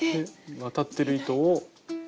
渡ってる糸を。